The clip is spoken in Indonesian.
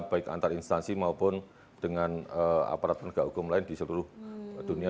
baik antar instansi maupun dengan aparat penegak hukum lain di seluruh dunia